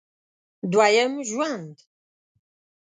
دوه یم ژوند